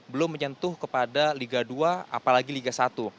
belum menyentuh kepada liga dua apalagi liga satu